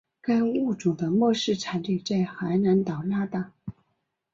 该物种的模式产地在海南岛那大。